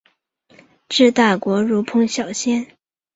治大国如烹小鲜。